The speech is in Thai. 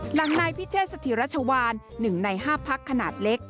หลังนายพิเศษสถิรัชวาน๑ใน๕พักขนาดเล็ก